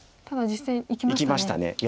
ただ実戦いきましたね。